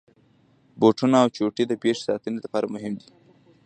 بوټونه او چوټي د پښې ساتني لپاره مهمي دي.